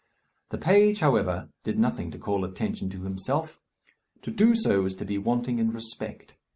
The page, however, did nothing to call attention to himself. To do so is to be wanting in respect.